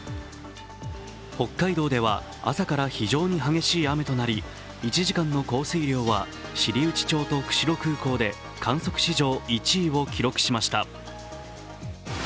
北海道では朝から非常に激しい雨となり１時間の降水量は知内町と釧路空港で観測史上１位を記録しました。